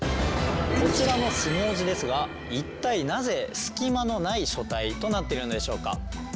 こちらの相撲字ですが一体なぜすき間のない書体となっているのでしょうか？